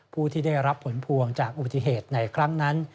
ผู้ที่ได้รับผลพวงจากอุบัติเหตุในครั้งนั้น